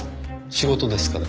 仕事ですから。